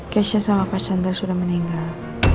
kesya sama pak chandra sudah meninggal